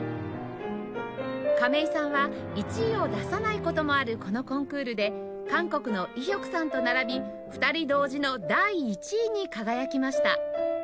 亀井さんは１位を出さない事もあるこのコンクールで韓国のイ・ヒョクさんと並び２人同時の第１位に輝きました